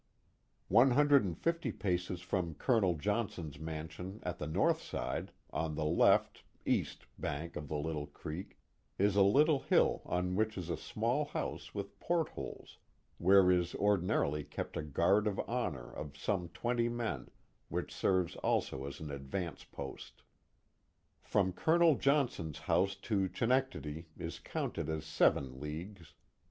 One hundred and fifty paces from Colonel Johnson's mansion at the north side, on the left (east) bank of the little creek, is a little hill on which is a small house with port holes where is ordinarily kept a guard of honor of some twenty men, which serves also as an advance post. From Colonel Johnson's house to Chenectadi is counted as seven leagues.